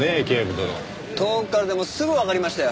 遠くからでもすぐわかりましたよ。